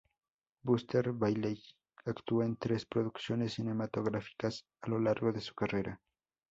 Buster Bailey actuó en tres producciones cinematográficas a lo largo de su carrera.